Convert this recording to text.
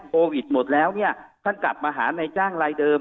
โควิดหมดแล้วท่านกลับมาหาในจ้างรายเดิม